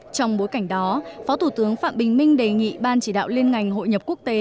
trong bối cảnh đó phó thủ tướng phạm bình minh đề nghị ban chỉ đạo liên ngành hội nhập quốc tế